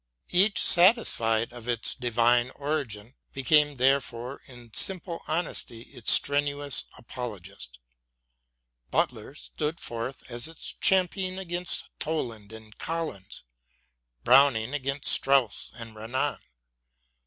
Each, satisfied of its divine origin, became, there fore, in simple honesty its strenuous apologist. Butler stood forth as its champion against Toland and Collins, Browning against Strauss and Renan.